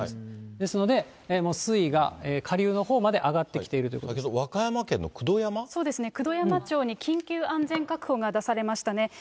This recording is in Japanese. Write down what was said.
ですので、もう水位が下流のほうまで上がってきているということだけど、そうですね、九度山町に緊急安全確保が出されましたね。